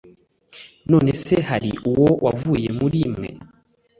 None se hari uwo wavuye muri mwe